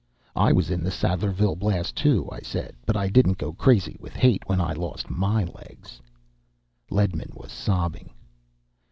"I was in the Sadlerville Blast, too," I said. "But I didn't go crazy with hate when I lost my legs." Ledman was sobbing.